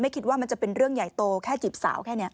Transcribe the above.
คิดว่ามันจะเป็นเรื่องใหญ่โตแค่จีบสาวแค่นี้